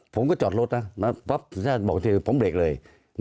ผมก็จอดรถนะปั๊บสุดท้ายบอกว่าผมเบรกเลย